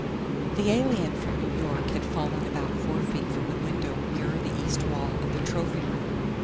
The alien from New York had fallen about four feet from the window nearer the east wall of the trophy room.